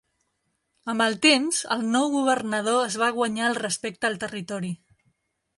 Amb el temps, el nou governador es va guanyar el respecte al territori.